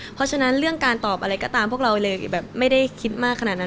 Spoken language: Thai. เพราะฉะนั้นเรื่องการตอบอะไรก็ตามพวกเราเลยแบบไม่ได้คิดมากขนาดนั้น